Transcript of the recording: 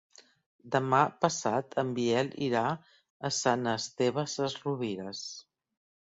Demà passat en Biel irà a Sant Esteve Sesrovires.